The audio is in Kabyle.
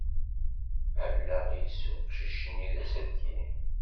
Allaɣ-is uqcic-nni d aselkim.